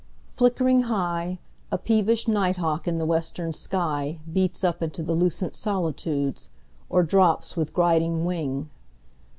Flickering high,5A peevish night hawk in the western sky6Beats up into the lucent solitudes,7Or drops with griding wing.